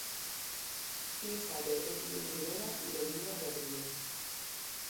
Hija de Edwin Rivera y Dominga Rodríguez.